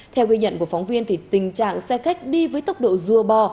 theo ghi nhận của phóng viên thì tình trạng xe khách đi với tốc độ rua bò